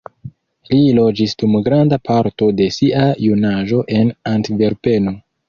Li loĝis dum granda parto de sia junaĝo en Antverpeno.